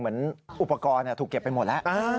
เหมือนอุปกรณ์ถูกเก็บไปหมดแล้ว